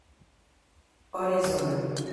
Orizona